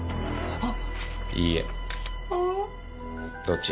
あっ。